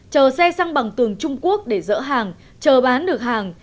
chờ xe sang bằng tường trung quốc để dỡ hàng chờ bán được hàng